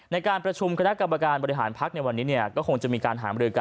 ในการประชุมคณะกรรมการบริหารพักในวันนี้ก็คงจะมีการหามรือกัน